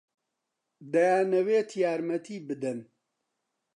دەیانەوێت یارمەتی بدەن.